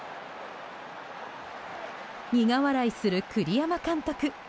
苦笑いする栗山監督。